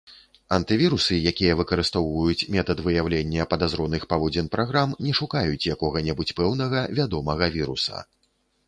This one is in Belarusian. Антывірусы, якія выкарыстоўваюць метад выяўлення падазроных паводзін праграм, не шукаюць якога-небудзь пэўнага вядомага віруса.